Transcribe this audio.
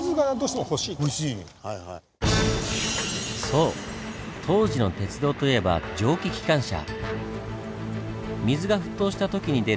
そう当時の鉄道といえば蒸気機関車。